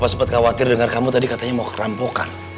papa sempet khawatir denger kamu tadi katanya mau ke rempokan